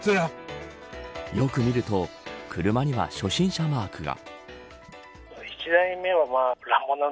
よく見ると車には初心者マークが。